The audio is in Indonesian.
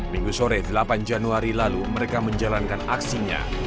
minggu sore delapan januari lalu mereka menjalankan aksinya